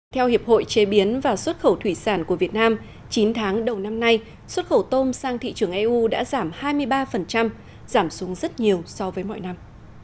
theo hiệp hội chế biến và xuất khẩu thủy sản của việt nam chín tháng đầu năm nay xuất khẩu tôm sang thị trường eu đã giảm hai mươi ba giảm xuống rất nhiều so với mọi năm